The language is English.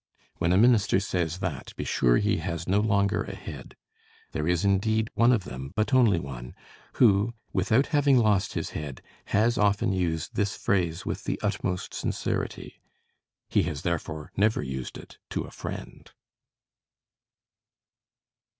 When a minister says that, be sure he has no longer a head. There is indeed one of them, but only one, who, without having lost his head, has often used this phrase with the utmost sincerity; he has therefore never used it to a friend.